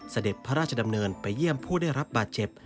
เสด็จพระราชดำเนินไปเยี่ยมผู้ได้รับบาดเจ็บ